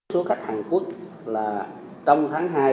số khách hàn quốc trong tháng hai